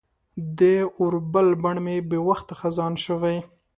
د اوربل بڼ مې بې وخته خزان شوی